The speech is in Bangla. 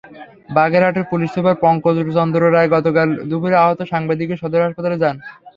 বাগেরহাটের পুলিশ সুপার পঙ্কজ চন্দ্র রায় গতকাল দুপুরে আহত সাংবাদিককে সদর হাসপাতালে যান।